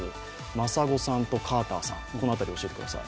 真砂さんとカーターさん、この辺りを教えてください。